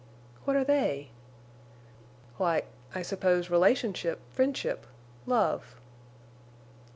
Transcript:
"What are they?" "Why—I suppose relationship, friendship—love."